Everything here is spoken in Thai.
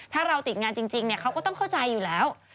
ถ้าเราติดงานจริงเขาก็ต้องเข้าใจอยู่แล้ว